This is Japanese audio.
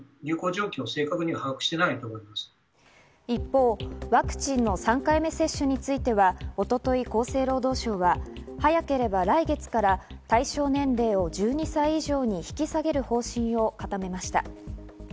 一方、ワクチンの３回目接種については一昨日、厚生労働省は、早ければ来月から対象年齢を１２歳以上に引き下げる方針を固めました。